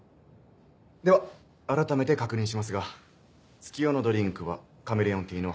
では改めて確認しますが月夜野ドリンクはカメレオンティーの発売